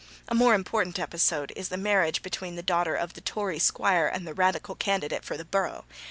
A more important episode is the marriage between the daughter of the Tory squire and the Radical candidate for the borough.